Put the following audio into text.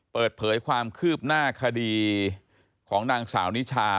เปิดเผยความคืบหน้าคดีของนางสาวนิชา